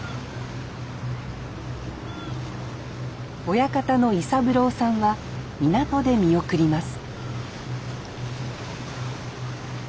親方の伊三郎さんは港で見送ります